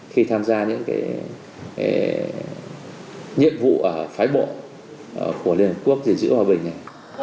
khi tham gia những nhiệm vụ ở phái bộ của liên hợp quốc gìn giữ hòa bình này